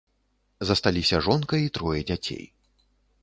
Засталіся жонка і трое дзяцей.